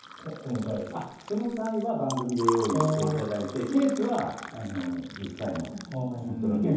その台は番組で用意していただいてケースは実際の本当のケースで。